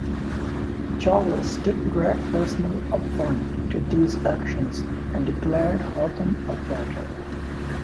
Charles took great personal affront to these actions, and declared Hotham a traitor.